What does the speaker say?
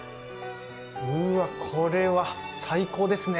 うわっこれは最高ですね！